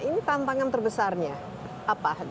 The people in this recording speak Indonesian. ini tantangan terbesarnya apa